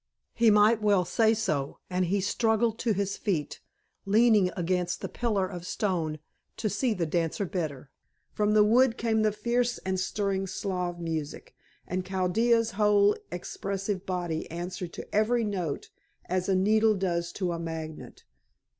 He might well say so, and he struggled to his feet, leaning against the pillar of stone to see the dancer better. From the wood came the fierce and stirring Slav music, and Chaldea's whole expressive body answered to every note as a needle does to a magnet.